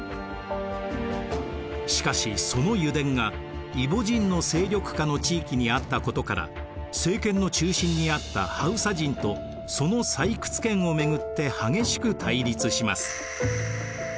しかしその油田がイボ人の勢力下の地域にあったことから政権の中心にあったハウサ人とその採掘権をめぐって激しく対立します。